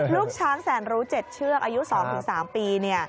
ลูกช้างแสนรู้๗เชือกอายุ๒๓ปี